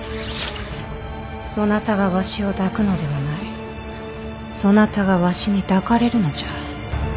そなたがわしを抱くのではないそなたがわしに抱かれるのじゃ。